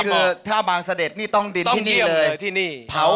คือถ้าบางเสด็จนี่ต้องดินที่นี่เลย